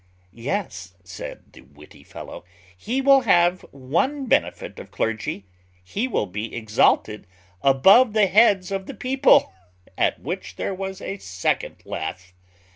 "Yes," said the witty fellow, "he will have one benefit of clergy, he will be exalted above the heads of the people;" at which there was a second laugh.